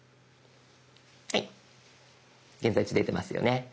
はい現在地出てますよね。